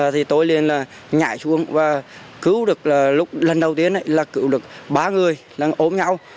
thì tôi liên là nhảy xuống và cứu được lúc lần đầu tiên là cứu được ba người đang ốm nhau